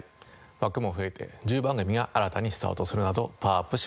枠も増えて１０番組が新たにスタートするなどパワーアップします。